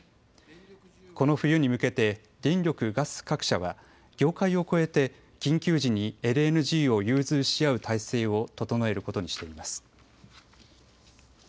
この冬に向けて電力・ガス各社は業界を超えて緊急時にＬＮＧを融通し合う体制を整えることにしています。